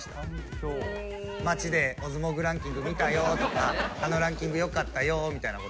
街で「『オズモグランキング』見たよ」とか「あのランキング良かったよー」みたいな事は。